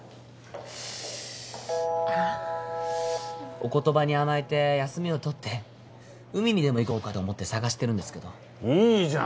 お言葉に甘えて休みをとって海にでも行こうかと思って探してるんですけどいいじゃん